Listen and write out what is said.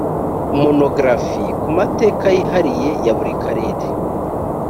monographies ku mateka yihariye ya buri karere